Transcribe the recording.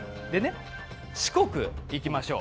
四国いきましょう。